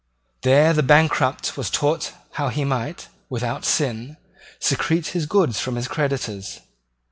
There the bankrupt was taught how he might, without sin, secrete his goods from his creditors.